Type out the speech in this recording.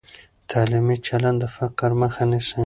تعلیمي چلند د فقر مخه نیسي.